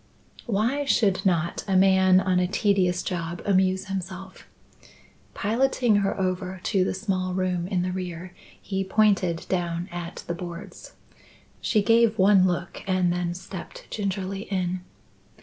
Why should not a man on a tedious job amuse himself? Piloting her over to the small room in the rear, he pointed down at the boards. She gave one look and then stepped gingerly in.